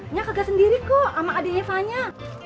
enya kagak sendiri kok sama adiknya fanya